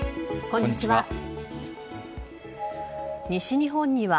こんにちは。